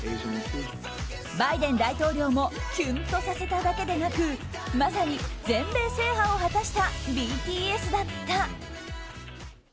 バイデン大統領もキュンとさせただけでなくまさに全米制覇を果たしたＢＴＳだった。